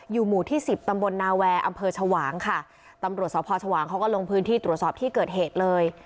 หมู่ที่สิบตำบลนาแวร์อำเภอชวางค่ะตำรวจสพชวางเขาก็ลงพื้นที่ตรวจสอบที่เกิดเหตุเลย